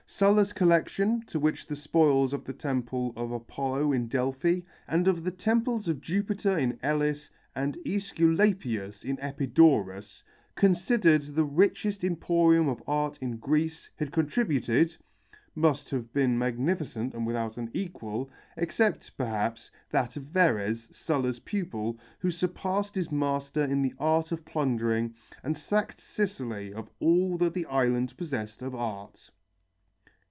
Sulla's collection to which the spoils of the temple of Apollo in Delphi and of the temples of Jupiter in Elis and Æsculapius in Epidaurus, considered the richest emporium of art in Greece, had contributed must have been magnificent and without an equal except, perhaps, that of Verres, Sulla's pupil, who surpassed his master in the art of plundering, and sacked Sicily of all the island possessed of art.